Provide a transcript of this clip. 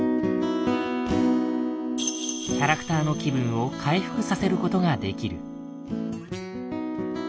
キャラクターの気分を回復させることができる。